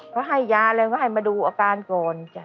เขาให้ยาอะไรก็ให้มาดูอาการก่อนจ้ะ